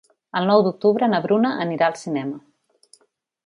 El nou d'octubre na Bruna anirà al cinema.